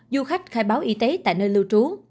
du khách khai báo y tế tại nơi lưu trú